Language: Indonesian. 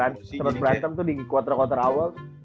yang seret berantem tuh di quarter quarter awal